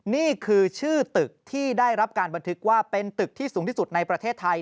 นี่คือชื่อตึกที่ได้รับการบันทึกว่าเป็นตึกที่สูงที่สุดในประเทศไทย